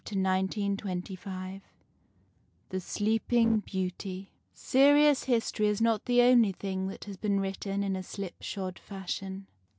THE SLEEPING BEAUTY THE SLEEPING BEAUTY. ¥ S ERIOUS history is not the only thing that has been written in a slipshod fashion.